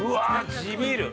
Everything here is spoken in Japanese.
地ビール！